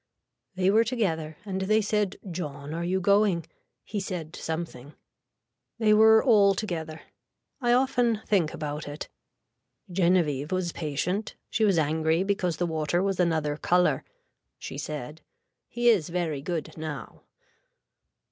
They were together and they said John are you going. He said something. They were altogether. I often think about it. Genevieve was patient. She was angry because the water was another color. She said. He is very good now.